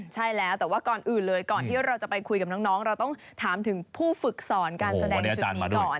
ใช่แล้วแต่ว่าก่อนอื่นเลยก่อนที่เราจะไปคุยกับน้องเราต้องถามถึงผู้ฝึกสอนการแสดงในชุดนี้ก่อน